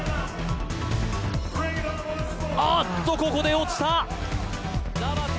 あっと、ここで落ちた。